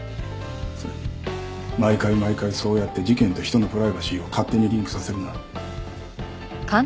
それに毎回毎回そうやって事件と人のプライバシーを勝手にリンクさせるな。